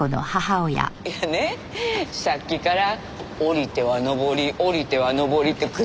いやねさっきから下りては上り下りては上りって繰り返してはるし。